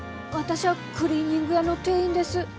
私ゃあクリーニング屋の店員です。